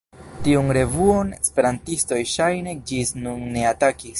Tiun revuon esperantistoj ŝajne ĝis nun ne atakis.